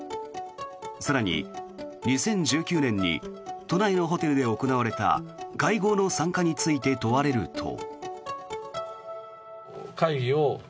更に、２０１９年に都内のホテルで行われた会合の参加について問われると。